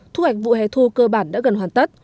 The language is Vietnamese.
thu hoạch vụ hẻ thu cơ bản đã gần hoàn tất